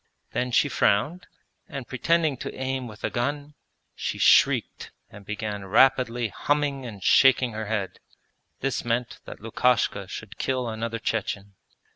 Then she frowned, and pretending to aim with a gun, she shrieked and began rapidly humming and shaking her head. This meant that Lukashka should kill another Chechen.